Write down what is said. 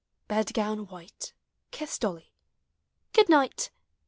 liedgown white, Kiss Dolly; Good night